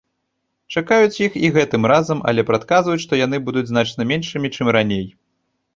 Чакаюць іх і гэтым разам, але прадказваюць, што яны будуць значна меншымі, чым раней.